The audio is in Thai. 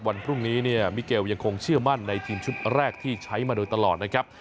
วันพรุ่งนี้เนี่ยมิเกลยังคงเชื่อมั่นในทีมชุดแรกที่ใช้มาโดยตลอดนะครับ